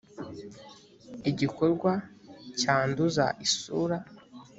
igikorwa cyanduza isura